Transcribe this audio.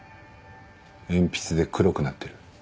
鉛筆で黒くなってる。